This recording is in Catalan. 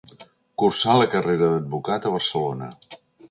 Cursà la carrera d'advocat a Barcelona.